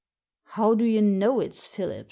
" How do you know it's Philip's